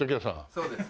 そうですね。